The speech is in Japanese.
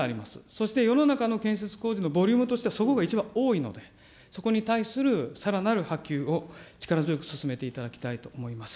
そして世の中の建設工事のボリュームとしてはそこが一番多いので、そこに対するさらなる波及を力強く進めていただきたいと思います。